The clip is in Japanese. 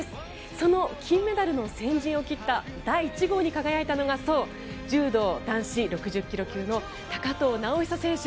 その金メダルの先陣を切った第１号に輝いたのがそう、柔道男子６０ｋｇ級の高藤直寿選手。